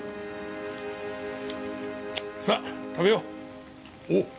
さあ食べよう。